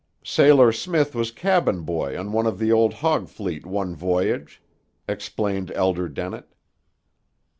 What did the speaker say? "Sailor Smith was cabin boy on one of the old Hogg fleet one voyage," explained Elder Dennett.